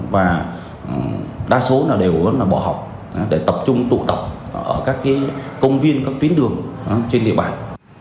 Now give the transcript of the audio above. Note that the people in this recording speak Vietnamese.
và đa số là đều bỏ học để tập trung tụ tập ở các công viên các tuyến đường trên địa bàn